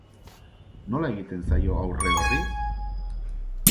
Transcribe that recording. Nola egiten zaio aurre horri?